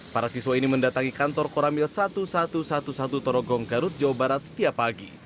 para siswa ini mendatangi kantor koramil seribu satu ratus sebelas torogong garut jawa barat setiap pagi